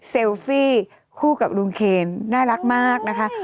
ฟี่คู่กับลุงเคนน่ารักมากนะคะ